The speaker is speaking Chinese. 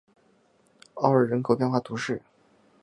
奥尔人口变化图示